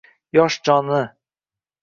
yosh joni